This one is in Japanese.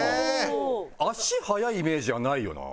足速いイメージはないよな。